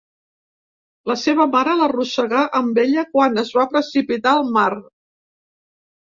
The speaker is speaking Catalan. La seva mare l'arrossegà amb ella quan es va precipitar al mar.